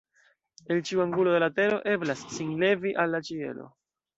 El ĉiu angulo de la tero eblas sin levi al la ĉielo”.